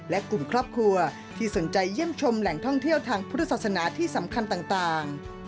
และกลุ่มครอบครัวที่สนใจเยี่ยมชมแหล่งท่องเที่ยวทางพุทธศาสนาที่สำคัญต่าง